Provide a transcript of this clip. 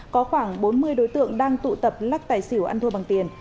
có khoảng bốn mươi đối tượng đang tụ tập lắc tài xỉu ăn thua bằng tiền